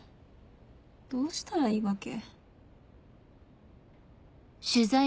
どうしたらいいわけ？